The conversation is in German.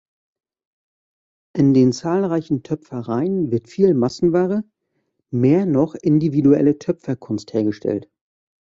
In den zahlreichen Töpfereien wird viel Massenware, mehr noch individuelle Töpferkunst hergestellt.